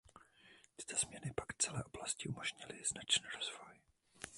Tyto změny pak celé oblasti umožnily značný rozvoj.